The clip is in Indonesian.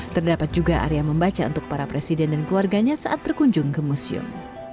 terdapat juga area membaca untuk para presiden dan keluarganya saat berkunjung ke museum